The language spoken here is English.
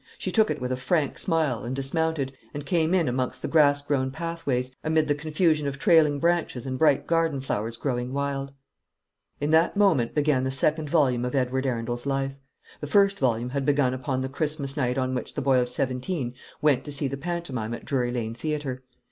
She took it with a frank smile, and dismounted, and came in amongst the grass grown pathways, amid the confusion of trailing branches and bright garden flowers growing wild. In that moment began the second volume of Edward Arundel's life. The first volume had begun upon the Christmas night on which the boy of seventeen went to see the pantomime at Drury Lane Theatre.